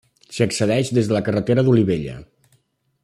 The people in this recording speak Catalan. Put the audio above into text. S'hi accedeix des de la carretera d'Olivella.